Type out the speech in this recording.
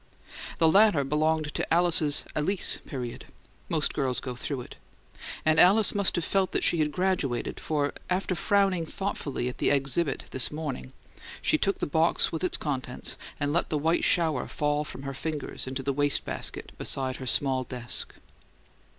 The latter belonged to Alice's "Alys" period most girls go through it; and Alice must have felt that she had graduated, for, after frowning thoughtfully at the exhibit this morning, she took the box with its contents, and let the white shower fall from her fingers into the waste basket beside her small desk.